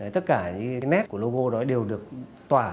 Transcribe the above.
tất cả nét của logo đó đều được tỏa